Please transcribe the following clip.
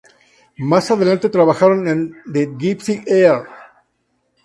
Más adelante trabajaron en "The Gipsy Earl".